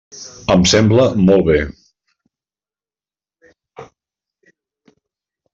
Em sembla molt bé.